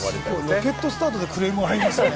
ロケットスタートでクレームが入りましたね。